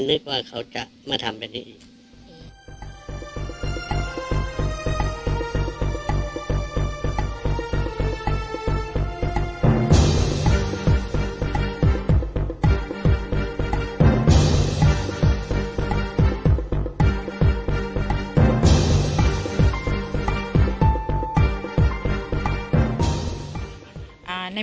กินโทษส่องแล้วอย่างนี้ก็ได้